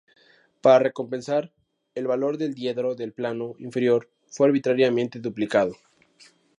Para compensar, el valor del diedro del plano inferior fue arbitrariamente duplicado.